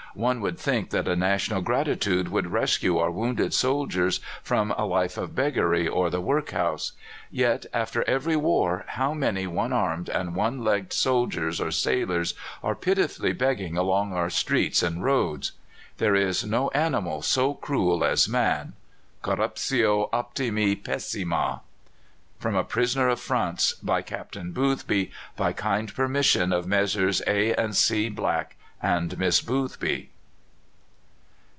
One would think that a national gratitude would rescue our wounded soldiers from a life of beggary or the workhouse. Yet after every war how many one armed and one legged soldiers or sailors are pitifully begging along our streets and roads! There is no animal so cruel as man. Corruptio optimi pessima. From a "Prisoner of France," by Captain Boothby. By kind permission of Messrs. A. and C. Black and Miss Boothby.